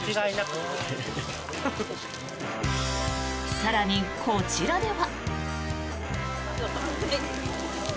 更に、こちらでは。